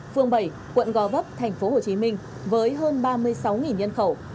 phường bảy quận gò vấp thành phố hồ chí minh với hơn ba mươi sáu nhân khẩu